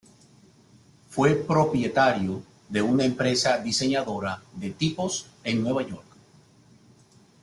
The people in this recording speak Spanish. Fue propietario de una Empresa diseñadora de tipos en Nueva York.